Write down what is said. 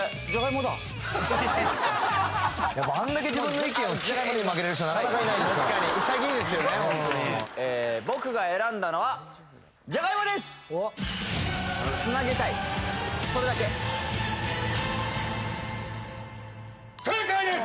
ホントに僕が選んだのはじゃがいもですつなげたいそれだけ正解です